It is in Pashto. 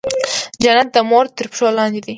جنت د مور تر پښو لاندې دی.